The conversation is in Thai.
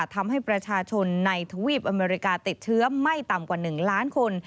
ทำให้ประชาชนในทวีปอเมริกาติดเชื้อไม่ต่ำกว่า๑ล้านคน